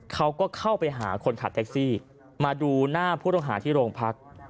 เขาก็เข้าไปหาคนขับแท็กซี่มาดูหน้าผู้ต้องหาที่โรงพัก